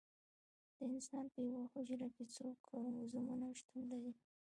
د انسان په یوه حجره کې څو کروموزومونه شتون لري